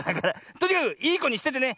とにかくいいこにしててね。